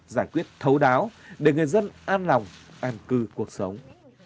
giải quyết thấu đáo để người dân an lòng an cư cuộc sống